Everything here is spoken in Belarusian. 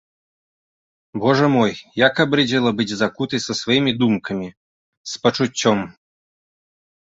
Божа мой, як абрыдзела быць закутай са сваімі думкамі, з пачуццём.